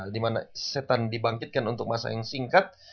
dimana setan dibangkitkan untuk masa yang singkat